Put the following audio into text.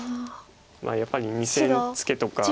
やっぱり２線ツケとか。